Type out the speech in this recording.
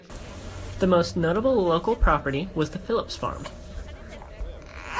The most notable local property was the Phillips Farm.